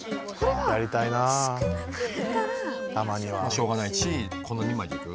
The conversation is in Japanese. しょうがないしこの２まいでいく？